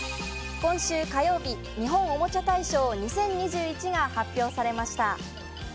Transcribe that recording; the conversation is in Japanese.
今週火曜日、日本おもちゃ大賞２０２１が発表されました。